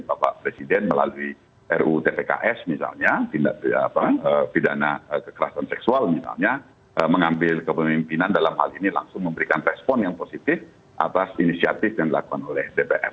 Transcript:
bapak presiden melalui rutpks misalnya tindak pidana kekerasan seksual misalnya mengambil kepemimpinan dalam hal ini langsung memberikan respon yang positif atas inisiatif yang dilakukan oleh dpr